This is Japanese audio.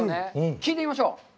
聞いてみましょう。